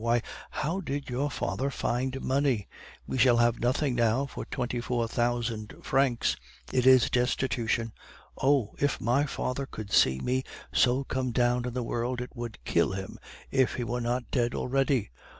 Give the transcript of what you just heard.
'Why, how did your father find money? We shall have nothing now with twenty four thousand francs; it is destitution! Oh! if my father could see me so come down in the world, it would kill him if he were not dead already!